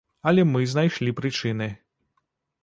Але мы знайшлі прычыны.